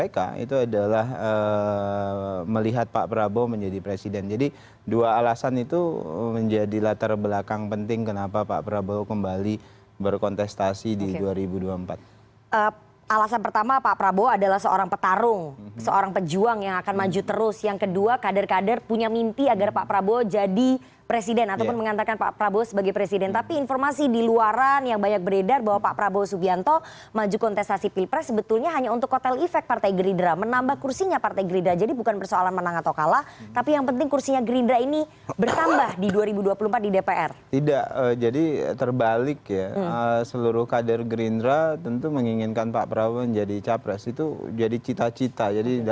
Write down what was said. karena kami yakin pak prabowo punya visi punya misi kecintaannya terhadap nkri itu luar biasa